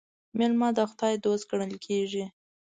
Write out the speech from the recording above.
مېلمه د خداى دوست ګڼل کېږي.